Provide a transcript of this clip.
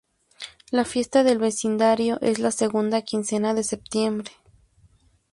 La fiesta del vecindario es la segunda quincena de Septiembre.